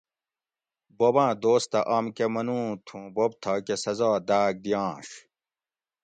بوباۤں دوستہ آم کہ منوؤں تھوں بوب تھاکہ سزا داۤگ دیاںش